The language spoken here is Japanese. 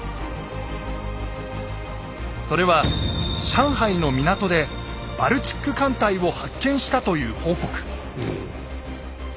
それは上海の港でバルチック艦隊を発見したという報告。